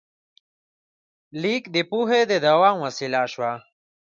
لیک د پوهې د دوام وسیله شوه.